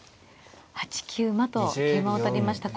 ８九馬と桂馬を取りました。